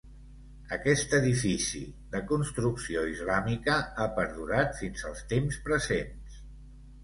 Aquest edifici, de construcció islàmica, ha perdurat fins als temps presents.